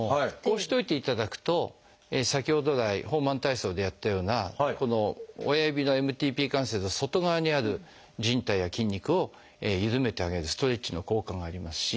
こうしといていただくと先ほど来ホーマン体操でやったようなこの親指のＭＴＰ関節の外側にあるじん帯や筋肉をゆるめてあげるストレッチの効果がありますし。